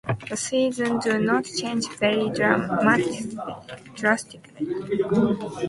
The seasons do not change very drastically.